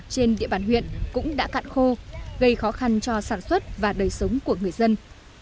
trên địa bàn huyện cũng đã cạn khô gây khó khăn cho sản xuất và đời sống của người dân